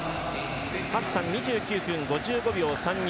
ハッサン、２９分５５秒３２。